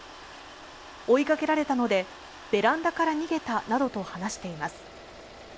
追いかけられたのでベランダから逃げたなどと話しています。